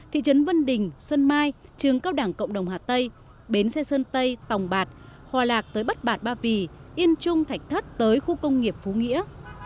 thị trấn vân đình sơn mai trường các đảng cộng đồng hà tây bến xe sơn tây tòng bạc hòa lạc tới bất bạc ba vì yên trung thạch thất tới khu công nghiệp phú nghĩa